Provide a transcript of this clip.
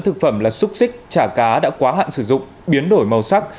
thực phẩm là xúc xích chả cá đã quá hạn sử dụng biến đổi màu sắc